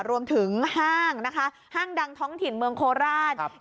ห้างนะคะห้างดังท้องถิ่นเมืองโคราช